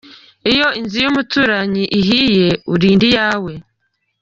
Iyo inzu y’umuturanyi ihiye urinda iyawe”.